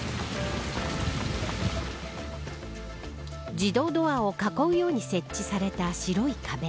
自動ドアを囲うように設置された白い壁。